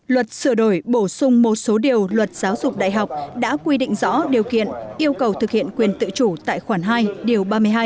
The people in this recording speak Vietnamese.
luật sửa đổi bổ sung một số điều luật giáo dục đại học đã quy định rõ điều kiện yêu cầu thực hiện quyền tự chủ tại khoản hai điều ba mươi hai